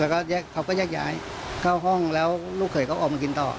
แล้วก็เขาก็แยกย้ายเข้าห้องแล้วลูกเขยก็ออกมากินต่อ